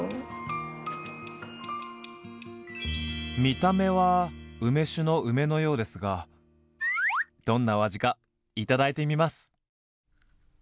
見た目は梅酒の梅のようですがどんなお味か頂いてみます！